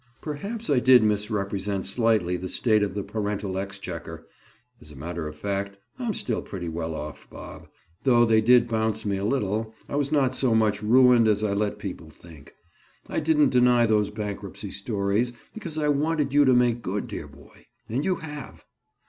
"Perhaps I did misrepresent slightly the state of the parental exchequer. As a matter of fact, I'm still pretty well off, Bob. Though they did bounce me a little, I was not so much ruined as I let people think. I didn't deny those bankruptcy stories, because I wanted you to make good, dear boy. And you have!"